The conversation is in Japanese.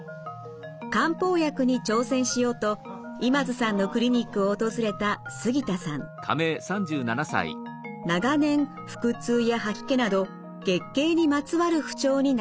漢方薬に挑戦しようと今津さんのクリニックを訪れた長年腹痛や吐き気など月経にまつわる不調に悩んできました。